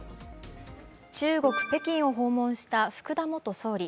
中国・北京を訪問した福田元総理。